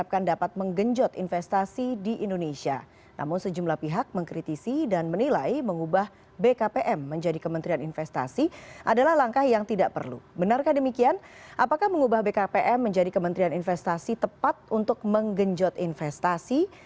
pem menjadi kementerian investasi tepat untuk menggenjot investasi